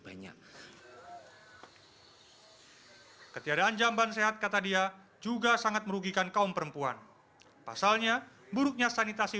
banyak ketiadaan jamban sehat kata dia juga sangat merugikan kaum perempuan pasalnya buruknya sanitasi